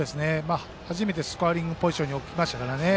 初めてスコアリングポジションに置きましたからね。